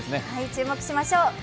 注目しましょう。